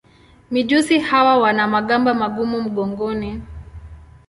Mijusi hawa wana magamba magumu mgongoni.